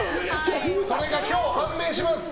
それが今日判明します。